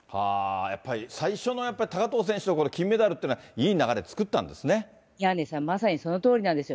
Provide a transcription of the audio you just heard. やっぱり最初の高藤選手の金メダルっていうのは、いい流れ作宮根さん、まさにそのとおりなんですよ。